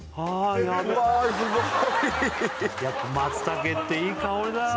やっぱ松茸っていい香りだあ